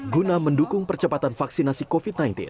guna mendukung percepatan vaksinasi covid sembilan belas